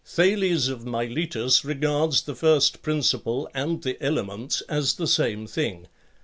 Thales of Miletos regards the first principle and the elements as the same thing.